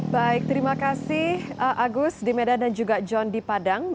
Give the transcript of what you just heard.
baik terima kasih agus di medan dan juga john di padang